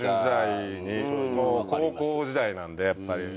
高校時代なんでやっぱり。